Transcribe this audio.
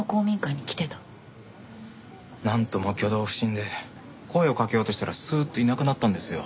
なんとも挙動不審で声をかけようとしたらスーッといなくなったんですよ。